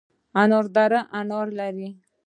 انار دره انار لري؟